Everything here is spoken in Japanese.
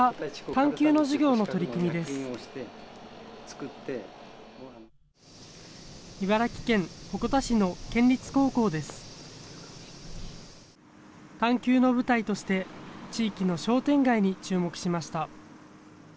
探究の舞台として、地域の商店街に注目しました。